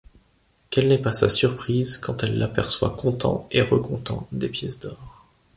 Quelle n'est pas sa surprise quand elle l'aperçoit comptant et recomptant des pièces d'or.